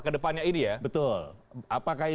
ke depannya ini ya